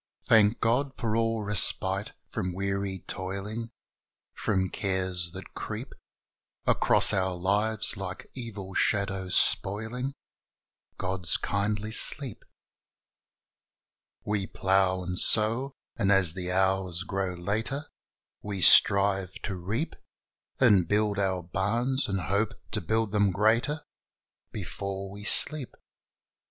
Thank God for all respite from weary toiling, From cares that creep Across our lives like evil shadows, spoiling God's kindly sleep. We plough and sow, and, as the hours grow later, We strive to reap. And build our barns, and hope to build them greater Before we sleep.